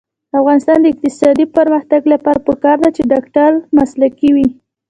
د افغانستان د اقتصادي پرمختګ لپاره پکار ده چې ډاکټر مسلکي وي.